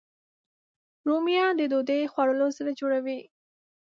رومیان د ډوډۍ خوړلو زړه جوړوي